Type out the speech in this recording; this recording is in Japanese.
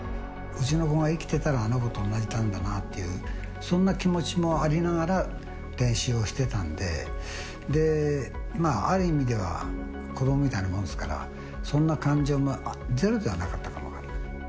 うちの子が生きてたら、あの子と同じ年だったんだなって、そんな気持ちもありながら、練習をしてたので、ある意味では、子どもみたいなもんですから、そんな感情もゼロではなかったかも分かんない。